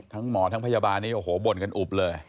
ทั้งหมอทั้งพยาบาลบ่นกันอุบเลย